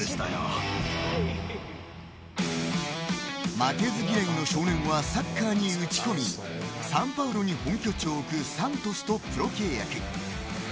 負けず嫌いの少年はサッカーに打ち込みサンパウロに本拠地を置くサントスとプロ契約。